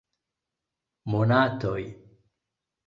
Monatoj!